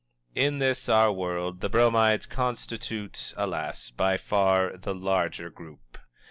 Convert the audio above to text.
In this our world the Bromides constitute, alas! by far the larger group.